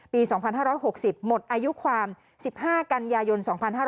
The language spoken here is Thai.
ปี๒๕๖๐หมดอายุความ๑๕กันยายน๒๕๕๙